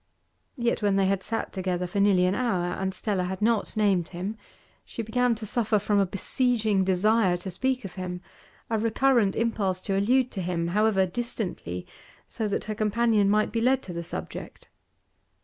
Yet, when they had sat together for nearly an hour, and Stella had not named him, she began to suffer from a besieging desire to speak of him, a recurrent impulse to allude to him, however distantly, so that her companion might be led to the subject.